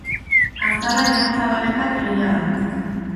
Azala Jon Zabaletak egina da.